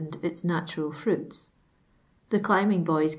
i its natural frnin. The climbing boys u'.'